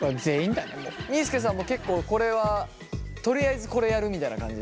みーすけさんも結構これはとりあえずこれやるみたいな感じ？